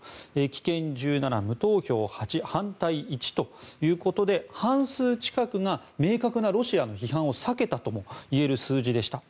棄権１７、無投票８反対１ということで半数近くが明確なロシアの批判を避けたともいえる数字でした。